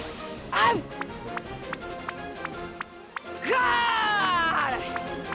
ゴール！